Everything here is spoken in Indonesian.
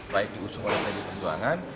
baik diusung oleh dpd pertuangan